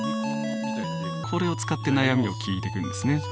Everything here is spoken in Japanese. これを使って悩みを聞いてくんですね